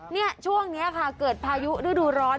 นี่ช่วงนี้ค่ะเกิดพายุฤดูร้อน